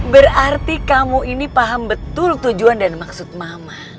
berarti kamu ini paham betul tujuan dan maksud mama